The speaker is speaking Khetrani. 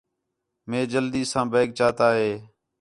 مَئے جلدی ساں بیگ چاتا ہِے